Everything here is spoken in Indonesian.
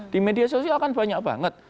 di media sosial kan banyak banget